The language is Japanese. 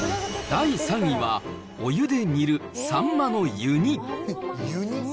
第３位は、お湯で煮るサンマの湯煮。